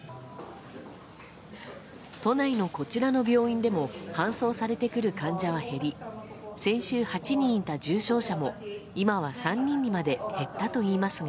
都内のこちらの病院でも搬送されてくる患者は減り先週８人いた重症者も今は３人にまで減ったといいますが。